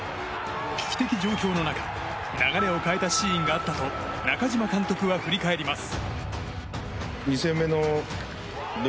危機的状況の中流れを変えたシーンがあったと中嶋監督は振り返ります。